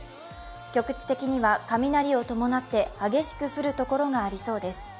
局地的には雷を伴って激しく降るところがありそうです。